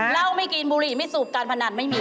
เหล้าไม่กินบุหรี่ไม่สูบการพนันไม่มี